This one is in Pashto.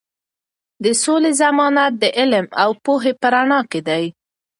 د سولې ضمانت د علم او پوهې په رڼا کې دی.